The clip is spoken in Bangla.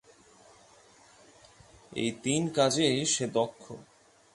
এই তিন কাজেই সে দক্ষ।